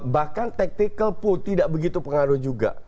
bahkan tactical pool tidak begitu pengaruh juga